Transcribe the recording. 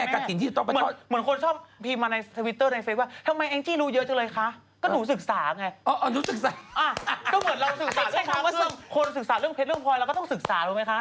คนศึกษาเรื่องเพชรเรื่องพลอยเราก็ต้องศึกษารู้ไหมคะ